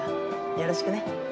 よろしくね。